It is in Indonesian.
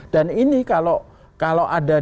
dan ini kalau ada